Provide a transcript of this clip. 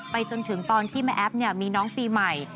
จนถึงตอนที่แม่แอ๊บมีน้องปีใหม่